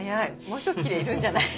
もうひと切れ要るんじゃない？